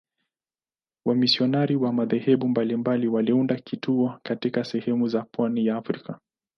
Wamisionari wa madhehebu mbalimbali waliunda vituo katika sehemu za pwani ya Afrika.